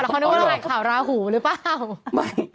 แต่เขานึกว่าเราอ่านข่าวราหูหรือเปล่า